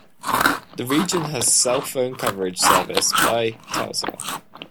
The region has cell phone coverage service by TelCel.